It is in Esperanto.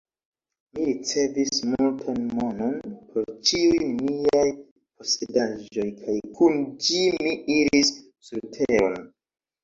Mi ricevis multan monon por ĉiujn miaj posedaĵoj, kaj kun ĝi, mi iris surteron.